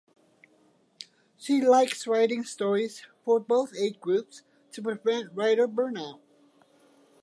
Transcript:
She likes writing stories for both age groups to prevent writer burnout.